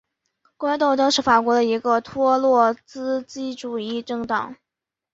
工人斗争是法国的一个托洛茨基主义政党。